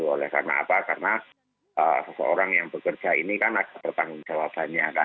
oleh karena apa karena seseorang yang bekerja ini kan ada pertanggungjawabannya